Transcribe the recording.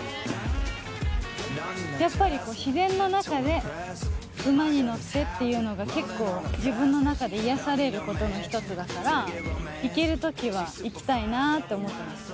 やっぱり自然の中で馬に乗ってっていうのが、結構、自分の中で癒やされることの１つだから、行けるときは行きたいなって思ってます。